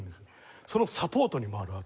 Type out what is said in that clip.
そのサポートに回るわけ。